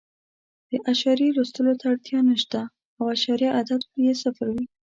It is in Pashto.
د اعشاریې لوستلو ته اړتیا نه شته او اعشاریه عدد یې صفر وي.